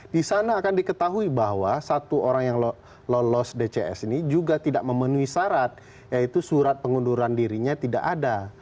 di sana akan diketahui bahwa satu orang yang lolos dcs ini juga tidak memenuhi syarat yaitu surat pengunduran dirinya tidak ada